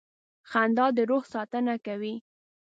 • خندا د روح ساتنه کوي.